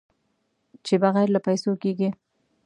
چې بغیر له پېسو کېږي.